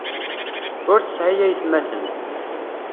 Ur tesɛi aytmaten.